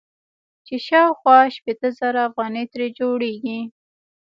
چې شاوخوا شپېته زره افغانۍ ترې جوړيږي.